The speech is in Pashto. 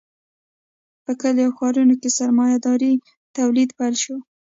په کلیو او ښارونو کې سرمایه داري تولید پیل شو.